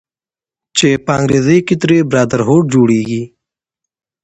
چې په انګريزۍ کښې ترې Brotherhood جوړيږي